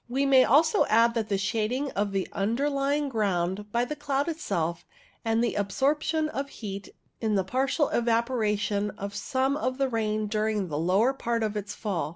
We may also add the shading of the under lying ground by the cloud itself, and the absorption of heat in the partial evaporation of some of the rain during the lower part of its fall.